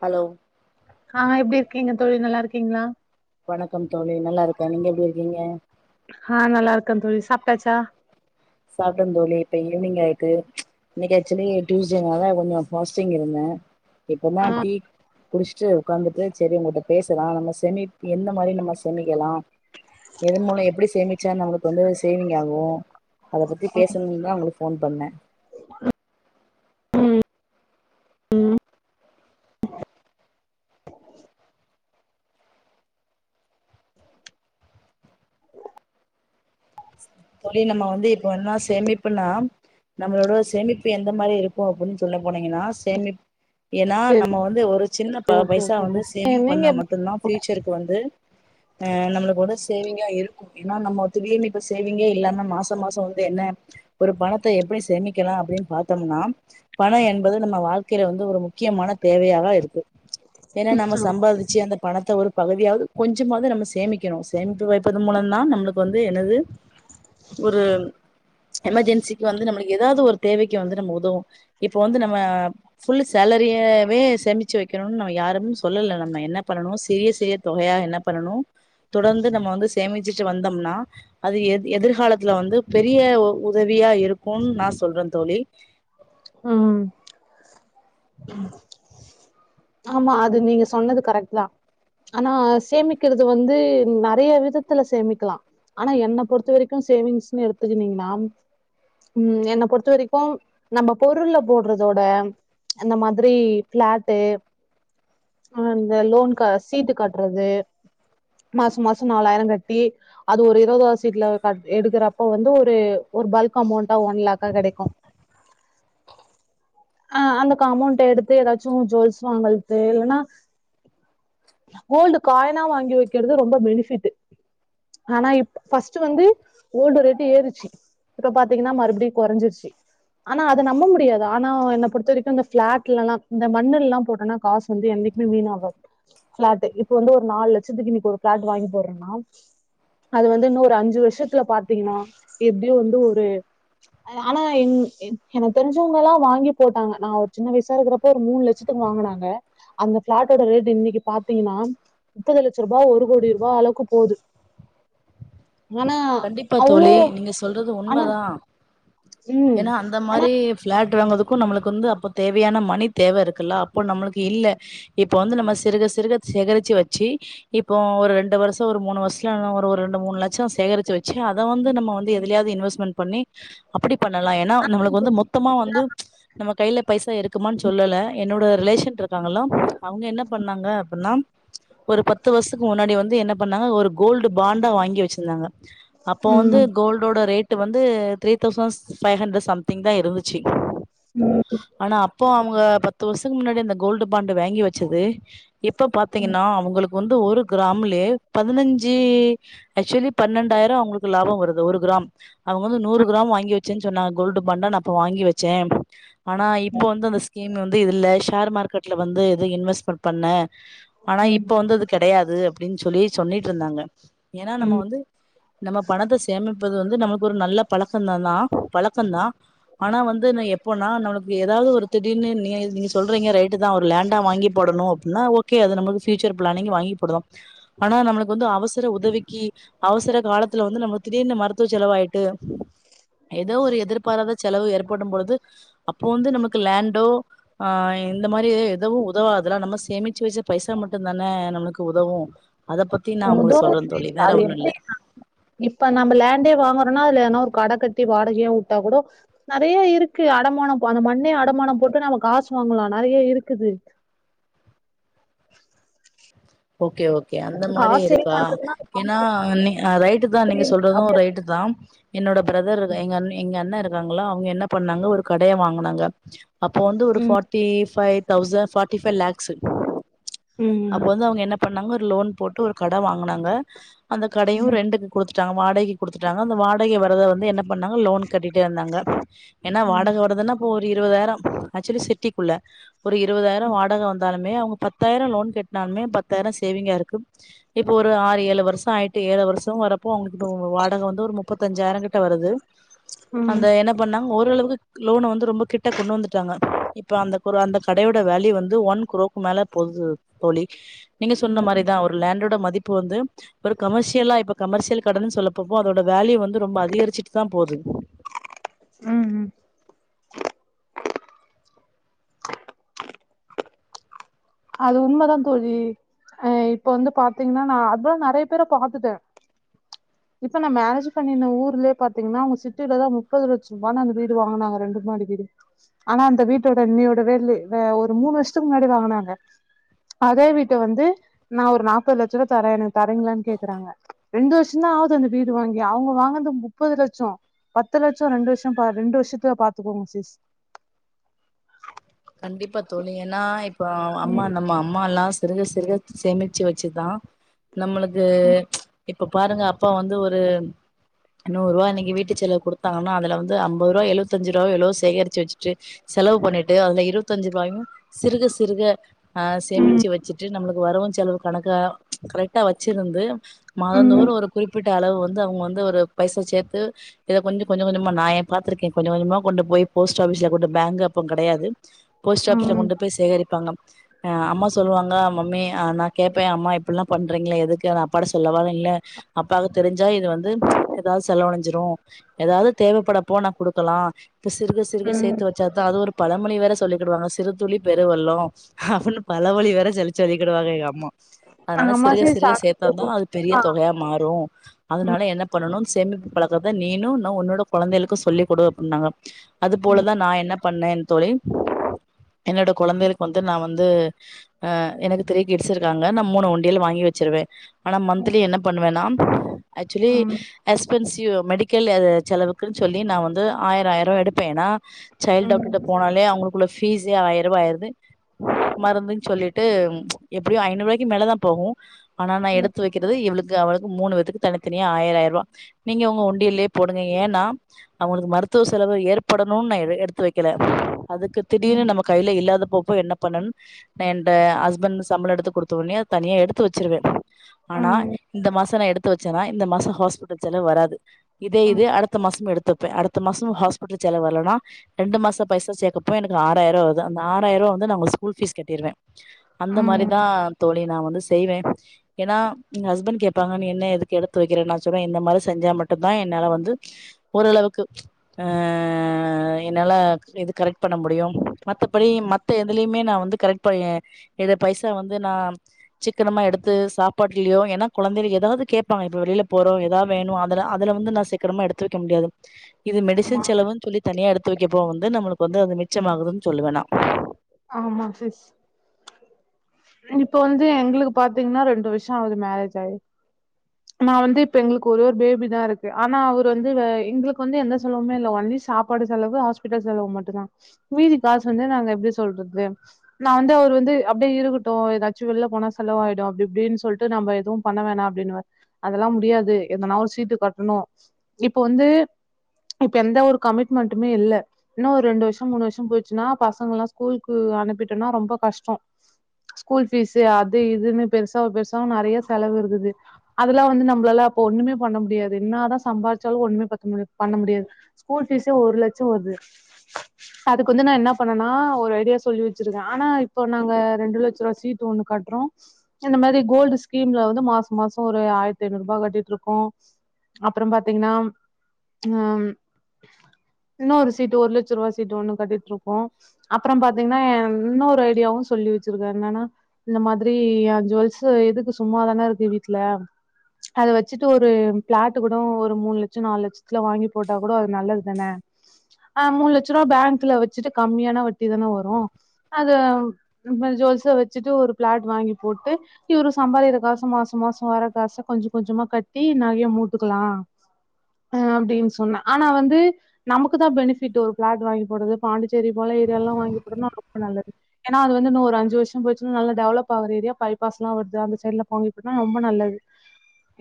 Hello ஆ எப்டி இருக்கீங்க தோழி நல்லா இருக்கீங்களா வணக்கம் தோழி நல்லா இருக்கே நீங்க எப்டி இருக்கீங்க ஆ நல்லா இருக்க தோழி சாப்ட்டாச்சா சாப்ட்டே தோழி இப்ப ஈவ்னிங் ஆயிட்டு இன்னிக்கி ஆக்சுலி டியூஸ்டேனால கொஞ்சோ பாஸ்டிங் இருந்தே இப்பந்தா ஆ டீ குடிச்சிட்டு உக்காந்துட்டு செரி உங்ககிட்ட பேசலா நம்ம செமி எந்த மாரி நம்ம செமிக்கலா எதன் மூல எப்டி சேமிச்சா நம்மளுக்கு வந்து சேவிங் ஆகு அத பத்தி பேசுனுன்தா உங்களுக்கு ஃபோன் பண்ண ம் ம் தோழி நம்ம வந்து இப்ப என்னா சேமிப்னா நம்மளோட சேமிப்பு எந்த மாரி இருக்கு அப்டின் சொல்ல போனீங்கன்னா சேமிப் ஏன்னா சேரி நம்ம வந்து ஒரு சின்ன ப ஓகே பைசா ஓகே வந்து சிஸ் சேவிங் நீங்க பண்ணா எப் மட் ட்டுந்தா ஃபியுச்சருக்கு வந்து ஆ நம்மளுக்கு ஒரு சேவிங்கா இருக்கு ஏன்னா நம்ம திடீர்னு இப் இப்ப சேவிங்கே இல்லனா மாச மாச வந்து என்ன ஒரு பணத்த எப்படி சேமிக்கலா அப்டின்னு பாத்தோம்னா பணம் என்பது நம்ம வாழ்க்கையில வந்து ஒரு முக்கியமான தேவையாதா இருக்கு ஏன்னா நம்ம சம்பாதிச்சு அந்த பணத்த ஒரு பகுதியாவது கொஞ்சமாவது நம்ம சேமிக்கணு சேமிப்பு வைப்பதன் மூலந்தா நம்மளுக்கு வந்து என்னது ஒரு எமர்ஜென்சிக்கு வந்து நம்மள எதாவது ஒரு தேவைக்கு வந்து நம்ம உதவு இப்ப வந்து நம்ம ஃபுல் சேலரியவே சேமிச்சு வைக்கணுனு நம்ம யாருமே சொல்லல நம்ம என்ன பண்ணணு சிறிய சிறிய தொகையா என்ன பண்ணனு தொடர்ந்து நம்ம வந்து சேமிச்சுட்டு வந்தோம்னா அது எது எதிர்காலத்துல வந்து பெரிய உதவியா இருக்குன்னு நா சொல்றே தோழி ம் ஆமா அது நீங்க சொன்னது கரெக்ட்டு தா ஆனா சேமிக்கிறது வந்து நெறைய விதத்துல சேமிக்கலா ஆனா என்னை பொறுத்த வரைக்கு சேவிங்ஸ்ன்னு எடுத்துக்கனீங்கன்னா ம் என்ன பொறுத்த வரைக்கு நம்ம பொருள்ல போட்றதோட இந்தந்த மாதிரி பிளாட்டு அந்த லோன் கா சீட்டு கட்டுறது மாச மாசோ நாலாயிரோ கட்டி அது ஒரு இருவதாவது சீட்ல க எடுக்கறப்ப வந்து ஒரு ஒரு பல்க் அமௌண்டா ஒன் லேக்கா கெடைக்கு ஆ அந்த கா அமௌண்ட எடுத்து எதாச்சு ஜுவல்ஸ் வாங்கல்து இல்லன்னா கோல்டு காயினா வாங்கி வைக்கிறது ரொம்ப பெனிஃபிட்டு ஆனா இப் ஃபஸ்ட்டு வந்து கோல்டு ரேட்டு ஏறிச்சி இப்ப பாத்தீங்கன்னா மறுபடியு கொறஞ்சிச்சி ஆனா அத நம்ப முடியாது ஆனா என்ன பொறுத்த வரைக்கு இந்த பிளாட்ல எல்லா இந்த மண்ணுல எல்லா போட்டனா காஸ் வந்து என்னைக்குமே வீணாவாது பிளாட்டு இப்ப வந்து ஒரு நாலு லட்சத்துக்கு இன்னிக்கு ஒரு பிளாட் வாங்கி போட்றேன்னா அது வந்து இன்னு ஒரு அஞ்சு வருஷ்த்துல பாத்தீங்கனா எப்டியு வந்து ஒரு அது ஆனா எங் என் எனக்கு தெரிஞ்சவங்க எல்லா வாங்கி போட்டாங்க நா ஒரு சின்ன வயசா இருக்கிறப்ப ஒரு மூண் லட்சத்துக்கு வாங்கனாங்க அந்த பிளாட்டோட ரேட்டு இன்னைக்கு பாத்தீங்கனா முப்பது லட்ச ரூபா ஒரு கோடி ரூபா அளவுக்கு போது ஆனா கண்டிப்பா அவ்ளோ தோழி நீங்க சொல்றது ஆனா உண்மதா ம் ஏனா அந்த ஆனா மாரி பிளாட் வாங்கறதுக்கு நம்மளுக்கு வந்து அப்ப தேவையான மணி தேவ இருக்குல்ல அப்போ நம்மளுக்கு இல்ல இப்ப வந்து நம்ம சிறுக சிறுக சேகரிச்சி வச்சி இப்போ ஒரு ரெண்டு வருஷோ ஒரு மூணு வருஷ்ல நா ஒரு ஒரு ரெண்டு மூணு லட்ச சேகரிச் சி வச்ச அத வந்து நம்ம வந்து எதுலயாவது இன்வெஸ்மெண் பண்ணி அப்படி பண்ணலா ஏனா நம்மளுக்கு வந்து மொத்தமா வந்து நம்ம கையில பைசா இருக்குமான் சொல்லல என்னோட ரிலேஷன்ட்ருக் றாங்களா அவுங்க என்ன பண்ணாங்க அப்பினா ஒரு பத்து வருஷ்த்துக்கு முன்னாடி வந்து என்னப் பண்ணாங்க ஒரு கோல்டு பாண்டா வாங்கி வச்சிருந்தாங்க அப்போ வந்து ம் கோல்டோட ரேட் டு வந்து three thousand five hundred something தா இருந்துச்சி ம் ஆனா அப்போ அவுங்க பத்து வருஷத்துக்கு முன்னாடி அந்த கோல்டு பாண்டு வாங்கி வச்சது இப்ப பாத்தீங்கனா அவங்களுக்கு வந்து ஒரு கிராம்லயே பதினஞ்சி ஆக்சுலி பண்ணன்டாயிரோ அவங்களுக்கு லாபோ வருது த ஒரு கிராம் அவுங்க வந்து நூறு கிராம் வாங்கி வச்சேன் சொன்னாங்க கோல்டு பாண்டா நா இப்ப வாங்கி வச்சே ஆனா இப்ப வந்து அந்த ஸ்கீம் வந்து இது இதில்ல ஷேர் மார்க்கெட்ல வந்து எது இன்வெஸ்மெண் பண்ண ஆனா ம் இப்ப வந்து அதுக் கெடையாது அப்டின் சொல்லி சொன்னீட் இருந்தாங்க ஏனா நம்ம ம் வந்து நம்ம பணத்த சேமிப்பது வந்து நம்மள்க்கு ஒரு நல்ல பழக்கத தா பழக்க தா ஆனா வந்து நா எப்போனா நம்மளுக்கு ஏதாவது ஒரு திடீர்னு நீயா எது நீ சொல்றீங்க ரைட்டு தா ஒரு லேண்டா வாங்கி போடனு அப்பினா ஓகே அது நம்மள்க்கு பியூச்சர் பிளானிங் வாங்கி போடுறோ ஆனா நம்மளுக்கு வந்து அவசர உதவிக்கி அவசர காலத்துல வந்து நம்மளுக் திடீர்னு மருத்துவ செலவாயிட்டு ஏதோ ஒரு எதிர்பாராத செலவு ஏற்படும் பொழுது அப்போ வந்து நமக்கு லேண்டோ ஆ இந்த மாரி எதுவு உதவாது அதெல்லா நம்ம சேமிச்சி வச்ச பைசா மட்டு தான நம்மளுக்கு உதவு அத பத்தி நா உதோ உங்களுக்கு சொல்ற தோழி வேற அது ஒண்ணு இல்ல எப்டி இப்ப நம்ம லேண்டே வாங்கோறோனா அதுல ஏதுனா ஒரு கட கட்டி வாடகையா வுட்டா கூடோ நெறைய இருக்கு அடமானோ அந்த மண்ணே அடமான போட்டு நம்ம காசு வாங்கலா நெறைய இருக்குது ஓகே ஓகே அந்த மாரி காசு சேவ் இருக்கா பண்றதுன்னா ஏனா ரைட்டு நீ அ ரைட்டு தா அப்டி நீங்க சொல்றது அப்டியே ரைட்டு தாம் என்னோட பிரதர் எங்க அண் எங்க அண்ணா இருக்காங்களா அவுங்க என்ன பண்ணாங்க ஒரு கடைய வாங்குனாங்க அப்போ வந்து ஒரு ம் forty five thousand forty five lakhs ம் அப்ப வந்து அவுங்க எ ன்ன பண்ணாங்க ஒரு லோன் போட்டு ஒரு கட வாங்குனாங்க அந்த கடையு ரெண்டு குடுத்துட்டாங்க வாடகைக் குடுத்துட்டாங்க அந்த வாடகை வரத வந்து என்ன பண்ணாங்க லோன் கட்டிட்டே வந்தாங்க ஏனா ம் வாடக வருதுனா அப்போ ஒரு இருவதாயிரோ ஆக்சுலி சிட்டிக்குள்ள ஒரு இருவதாயிரோ வாடக வந்தாலு மே அவுங்க பத்தாயிரோ லோன் கேட்னாலுமே பத்தாயிரோ சேவிங்கா இருக்கு இப்போ ஒரு ஆறு ஏழு வருஷோ ஆயிட்டு ஏழு வருஷோ வரப்போ அவுங்களுக்கு இப்ப வாடக வந்து ஒரு முப் பத்தஞ்சாயிர கிட்ட வருது ம் அந்த என்ன பண்ணாங்க ஓரளவுக்கு லோன வந்து ரொம்ப கிட்ட கொண்டு வந்துட்டாங்க இப்ப அந்த குரோ அந்த கடையோட வேல்யூ வந்து ஒன் குரோ மேல போது தோழி நீங்க சொன்ன ம் மாரிதா ஒரு லேண்டோட மதிப்பு வந்து இப்பர் கமர்ஷியலா இப்ப கமர்சியல் கடன்னு சொல்லப்போபோ அதோட வேல்யூ வந்து ரொம்ப அதிகரிச்சுட்டு தா போது ம் ம் அது உண்ம தா தோழி அ இப்ப வந்து பாத்தீங்கன்னா நா அதா நறைய பேர பாத்துட்டே இப்ப நா மேரேஜ் பண்ணிண ஊர்லய பாத்தீங்கன்னா அவங்க சிட்டியிலதா முப்பது லட்ச ரூபானு அந்த வீடு வாங்குனாங்க ரெண்டு மாடி வீடு ஆனா அந்த வீட்டோட இன்னியோட வேல்லு வ ஒரு மூணு வருஷத்துக்கு முன்னாடி வாங்குனாங்க அதே வீட்ட வந்து நா ஒரு நாப்பது லட்ச ரூவா தரே எனக்கு தரீங்களான்னு கேக்குறாங்க ரெண்டு வருஷ தா ஆது அந்த வீடு வாங்கி அவங்க வாங்குனது முப்பது லட்சொ பத்து லட்சொ ரெண்டு வருஷொ பா ரெண்டு வருஷத்துல பாத்துக்கோங்க சிஸ் கண்டிப்பா தோழி ஏன்னா இப்ப அம்மா நம்ம அம்மால்லா ச் சிறுக சிறுக சேமிச்சி வச்சுதா நம்மளுக்கு இப்ப பாருங்க அப்பா வந்து ஒரு நூறு ரூவா இன்னைக்கு வீட்டு செலவுக் குடுத்தாங்கனா அது வந்து அம்பது ரூவா எழுவத்தஞ்சு ரூவா எவ்ளோ சேகரிச்சு வச்சிட்டு செலவு பண்ணிட்டு அந்த இ இருபத்தஞ்சுரூபாயு சிறுக சிறுக ஆ ம் சேமிச்சி வெச்சிட்டு நம்மளுக்கு வரவு செலவு கணக்கா கரெக்டா வச்சிருந்து ம் மாதந்தோறு ஒரு குறிப்பிட் ட அளவு வந்து அவங்க வந்து ஒரு பைசா சேத்து இத கொஞ்சு கொஞ்ச கொஞ்சமா நா ஏ பாத்திருக்கே கொஞ்ச கொஞ்சமா கொண்டு போய் போஸ்ட் ஆஃபிஸ்ல கொண்டு பேங்க் அப்ப கெடையாது போஸ்ட் ஆஃபிஸ்ல கொண்டு ம் போய் சேகரிப்பாங்க அம்மா சொல்லுவாங்க மம்மி அ நா கேப்பே அம்மா இப்டியல்லா பண்றீங்களே எதுக்கு நா அப்பாட சொல்லவானு இல்ல அப்பாகு தெரிஞ்சா இது வந்து எல்லா செலவடஞ்சிரு ஏதாவ்து தேவைப்படப்போ நா குடுக்கலா இப்ப சிறுக சிறுக சேத்து வெச்சா அது ஒரு பழமொழி வேர ச் சொல்லிகிடுவாங்க சிறு துளி பெருவெள்ளோ அப்டின்னு பழமொழி வேர சொல்லி சொல்லிகிடுவாங்க எங்க அம்மா அதனால ஆமா சிறுக சிஸ் சிறுக சேத்தா தா அது பெரிய தொகையா மாறு அதுனால என்ன பண்ணணு சேமிப்பு பழக்கத நீனு இன்னு உன்னோட கொழந்தைகளுக்கு சொல்லி கொடு அப்டின்னாங்க அது போலதா நா என்ன பண்ணேன் தோழி என்னோட கொழந்தைகளுக்கு வந்து நா வந்து ஆ எனக்கு த்ரி கிட்ஸ் இருக்காங்க நா மூணு உண்டியல் வாங்கி வெச்சிருவே ஆனா மந்திலி என்ன பண்ணுவேனா ஆச்சுவலி எஸ்பன்ஸிவ் மெடிக் களு அது செலவுக்குன்னு சொல்லி நா வந்து ஆயிர ஆயிர ரூவா எடுப்பேன்னா சைல்ட் டாக்டர்ட்ட போனாலே அவ ங்களுக்குள்ள ஃபீஸே ஆயிர ரூவா ஆயிருது மறுந்துன்னு சொல்லி ட்டு எப்டியு ஐநூறுபாய்க்கு மேலே தா போகு ஆனா நா எடுத்து வைக்கிறது இவளுக்கு அவளுக்கு மூணு பேத்துக்கு தனித்தனியா ஆயிர அயிர ரூவா நீங்க உங்க உண்டியிலயே போடுங்க ஏன்னா அவங்களுக்கு மருத்துவ செலவு ஏற்படணுனீ நா எடுத்து வைக்கல அதுக்கு திடீர்னு நம்ம கையில இல்லாத போப்போ என்ன பண்ணன் அன்ட ஹஸ்பண்ட் சம்பள எடுத்து குடுத்த உனே தனியா எடுத்து வெச்சிருவே ஆனா ம் இந்த மாச நா எடுத்து வெச்சேன்னா இந்த மாச ஹாஸ்பிட்டல் செலவு வராது இதே இது அடுத்த மாசம் எடுத்தப்பே அடுத்த மாசொ ஹாஸ்பிட்டல் செலவு வர்லைனா ரெண்டு மாச பைசா சேக்க ப்ப எனக்கு ஆறாயிர ரூவா வருது அந்த ஆறாயிருவா வந்து நா அவங்க ஸ்கூல் ஃபீஸ் கட்டிடுவே அந்த ம் மாரிதா தோழி நா வந்து செய்வே ஏன்னா எ ஹஸ்பண்ட் கேப்பாங்க நீ என்ன எதுக்கு எடுத்து வைக்கிறே நா சொல்வே இந்த மாதிரி செஞ்சா மட்டுதா என்னால வந்து ஓரளவுக்கு ஆ என்னால இது கரெக் பண்ண முடியு மத்தபடி மத்த எதுலயுமே நா வந்து கரெக்ட் பண் ஏ இத பைசா வந்து நா சிக்கனமா எடுத்து சாப்பாட்டுலயோ ஏன்னா கொழந்தைக ஏதாவது கேப்பாங்க இப்ப வெளில போறோ ஏதா வேணு அதுல வந்து நா சீக்கினமா எடுத்து வைக்க முடியாது இது மெடிசன் செலவுன்னு சொல்லி தனியா எடுத்து வைக்கப்ப வந்து நம்மளுக்கு வந்து அது மிச்சமாகுதுன்னு சொல்லுவே நா ஆமா சிஸ் இப்ப வந்து எங்களுக்கு பாத்தீங்கன்னா ரெண்டு வருஷோ ஆகுது மேரேஜ் ஆயி நா வந்து இப்ப எங்களுக்கு ஒரே ஒரு பேபி தா இருக்கு ஆனா அவர் வந்து எங்களுக்கு வந்து எந்த செலவுமே இல்ல ஒன்லி சாப் பாடு செலவு ஹாஸ்பிட்டல் செலவு மட்டுந்தா மீதி காசு வந்து நாங்க எப்டி சொல்றது நா வந்து அவர் வந்து அப்டியே இருக்கட்டு ஏதாச்சு வெளில போனா செலவாயிடு அப்டி இப்டின்னு சொல் சோ நம்ம எதுவு பண்ண வேணா அப்டின்னுவே அதெல்லா முடியாது எதன்னாலு ஒரு சீட்டு கட்டணு இப்ப வந்து இப்ப எந்த ஒரு கமிட்மெண்ட்டுமே இல்ல இன்னோ ஒரு ரெண்டு வருஷோ மூணு வருஷோ போயிடுச்சுன்னா பசங்க எல்லா ஸ்கூலுக்கு அனுப்பிட்டன்னா ரொம்ப கஷ்டோ ஸ்கூல் பீஸ்ஸு அது இதுன்னு பெருசாவ பெருசாவ நெறைய செலவு இருக்குது அதெல்லா வந்து நம்மளால அப்ப ஒண்ணுமே பண்ண முடியாது என்னாதா சம்பாதிச்சாலு ஒண்ணுமே பத்த முடி பண்ண முடியாது ஸ்கூல் பீஸு ஒரு லட்சோ வருது அதுக்கு வந்து நா என்ன பண்ணேனா ஒரு ஐடியா சொல்லி வச்சிருக்கே ஆனா இப்ப நாங்க ரெண்டு லட்ச ரூபா சீட் ஒண்ணு கட்டுறோ இந்த மாரி கோல்டு ஸ்கீம்ல வந்து மாச மாசோ ஒரு ஆயிரத்தி ஐநூறு ரூபாய் கட்டிட்டு இருக்கோ அப்பற பாத்தீங்கன்னா ம் இன்னொரு சீட்டு ஒரு லட்ச ரூபா சீட் ஒண்ணு கட்டிட்டுருக்கோ அப்பற பாத்தீங்கன்னா இன்னொரு ஐடியாவு சொல்லி வச்சிருக்காரு என்னன்னா இந்த மாதிரி ஜுவெல்ஸ் எதுக்கு சும்மாதான இருக்கு வீட்ல அத வச்சுட்டு ஒரு பிளாட்டு் கூட ஒரு மூணு லட்சோ நாலு லட்சத்துல வாங்கி போட்டா கூட அது நல்லது தான ஆ மூணு லட்ச ரூபா பேங்க்ல வச்சுட்டு கம்மியான வட்டி தான வரு அத இந்த மாரி ஜூவல்ஸ்ச வச்சுட்டு ஒரு பிளாட் வாங்கி போட்டு இவரு சம்பாதிக்கிற காச மாச மாசோ வர்ற காச கொஞ்ச கொஞ்சமா கட்டி நகய மூட்டுக்கலா ஆ அப்டின்னு சொன்னே ஆனா வந்து நமக்கு தா பெனிஃபிட் ஒரு பிளாட் வாங்கி போடுறது பாண்டிச்சேரி போல ஏரியாலல்லா வாங்கி போட்டம்னா ரொம்ப நல்லது ஏன்னா அது வந்து இன்ன ஒரு அஞ்சி வருஷோ போயிடுச்சினா நல்ல டெவலப் ஆகற ஏரியா பை பாஸ்லா வருது அந்த சைடுலா வாங்கி போட்டன்னா ரொம்ப நல்லது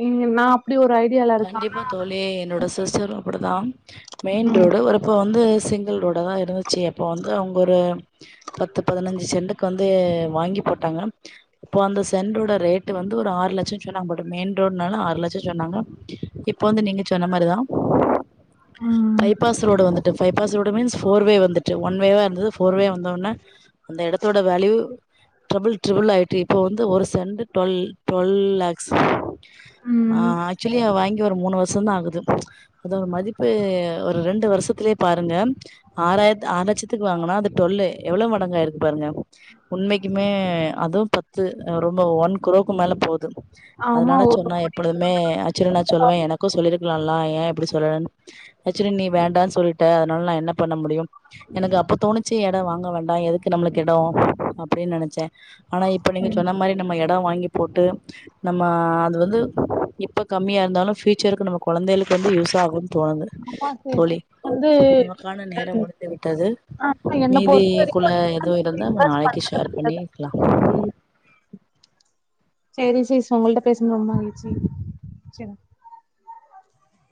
இங்க நா அப்டி ஒரு ஐ கண்டிப்பா தோழி என்னோட சிஸ்டரு அப்டிதா மெயின் ம் ரோடு ஒருப்ப வந்து சிங் கிள்ரோடாதா இருந்துச்சு அப்ப வந்து அவங்க ஒரு பத்து பதினஞ்சு செண்டுக்கு வந் து வாங்கி போட்டாங்க அப்போ அந்த சென்டோட ரேட்டு வந்து ஒரு ஆறு லட்சோ சொன்னாங்க பட் மெயின் ரோட்னால ஆறு லட்சோ சொன்னாங்க இப்ப வந்து நீங்க சொன்ன மாரிதா ம். பைபாஸ் ரோடு வந்து ட்டு bypass road means four way வந்துட்டு ஒன்வேவா இருந்தது போர்வே வந் த ஒன்ன அந்த இடத்தோட வேல்யூ டபிள் ட்ரிபிள் ஆயிட்டு இப்ப வந்து ஒரு சென்ட் டுவெல் டுவெல் லேக்ஸ் ஆ ம். ஆக்சுவலி அவ வாங்கி ஒரு மூணு வருஷந்தா ஆகுது அதோட மதிப்பு ஒரு ரெண்டு வருஷத்துலயே பாருங்க ஆறாயிர ஆறு லட்சத்துக்கு வாங்குனோ அது டுவெல்லு எவ்ள மடங்காயிருக்கு பாருங்க உண்மைக்குமே அதுவு பத்து ரொம்ப ஒன் குரோக்கு மேல போது ஆமா. அதனால சொன்னா எப்பொழுதுமே சரி நா சொல்லுவே எனக்கு சொல்லிருக்கலால்லா ஏ இப்டி சொல்லன்னு ஆக்சுவலி நீ வேண்டான்னு சொல்ட அதனால நா என்ன பண்ண முடியு எனக்கு அப்ப தோணுச்சி எடோ வாங்க வேண்டா எதுக்கு நம்மளுக்கு எடோ அப்டின்னு நனச்ச ஆனா இப்போ நீங்க சொன்ன மாரி நம்ம எடோ வாங்கி போட்டு நம்ம அது வந்து இப்போ கம்மியா இருந்தாலு பஃபியூச்சருக்கு நம்ம கொழதேளுக்கு வந்து யூஸ் ஆகும்ன்னு தோணுது ஒருமா தோழி வந்து நமக்கான நேரம் முடிந்து விட்டது ஆனா என்ன பொறுத்த மீதிக்குல வரைக்கும் லெமன் ஏதுவு இருந்தா பிரேக்ஃபாஸ்ட் நாளைக்கு பண்றது ஷேர் பண்ணி இருக்கிலா சேரி சீஸ் உங்கள்ட பேசது ரொம்ப மகிழ்ச்சி சேரி